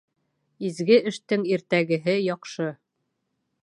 Изге эштең иртәгеһе яҡшы.